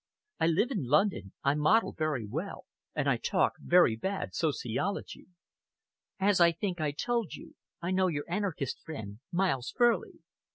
I live in London, I model very well, and I talk very bad sociology. As I think I told you, I know your anarchist friend, Miles Furley."